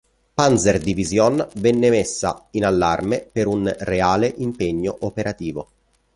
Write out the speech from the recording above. Panzer-Division venne messe in allarme per un reale impegno operativo.